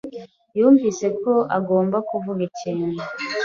yumvise ko agomba kuvuga ikintu.